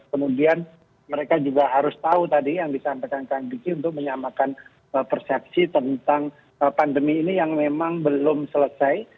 kemudian mereka juga harus tahu tadi yang disampaikan kang diki untuk menyamakan persepsi tentang pandemi ini yang memang belum selesai